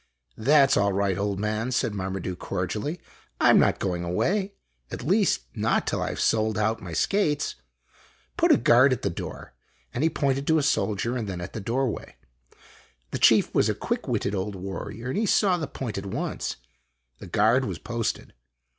"That 's all right, old man," said Marmaduke cordially. "I 'm not going away. At least, not till I Ve sold out my skates. Put a guard at the door !" and he pointed to a soldier and then at the doorway. The chief was a quick witted old warrior, and he saw the point at once. The guard was posted.